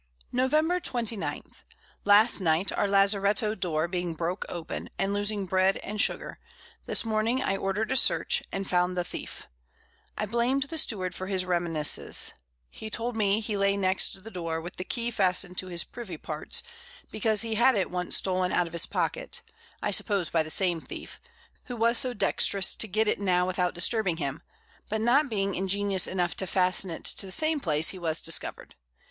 Nov. 29. Last Night our Lazareto Door being broke open, and losing Bread and Sugar, this Morning I order'd a Search, and found the Thief; I blam'd the Steward for his Remisness; he told me he lay next the Door, with the Key fastned to his Privy Parts, because he had it once stoln out of his Pocket, I suppose by the same Thief, who was so dextrous to get it now without disturbing him; but not being ingenious enough to fasten it to the same Place, he was discover'd.